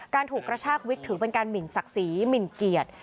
ถูกกระชากวิกถือเป็นการหมินศักดิ์ศรีหมินเกียรติ